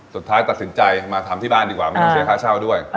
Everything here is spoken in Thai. สุดท้ายตัดสินใจมาทำที่บ้านดีกว่าไม่ต้องเสียค่าเช่าด้วย